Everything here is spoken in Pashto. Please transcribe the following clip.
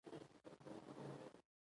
په ځان چې پوهېدم ځواني تباه وه خبر نه وم